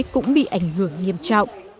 cũng bị ảnh hưởng nghiêm trọng